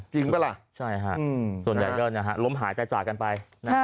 จริงปะล่ะใช่ค่ะส่วนใหญ่ด้วยนะคะล้มหายใจจากกันไป